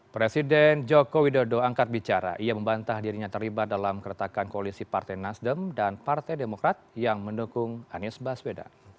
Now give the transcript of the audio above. presiden joko widodo angkat bicara ia membantah dirinya terlibat dalam keretakan koalisi partai nasdem dan partai demokrat yang mendukung anies baswedan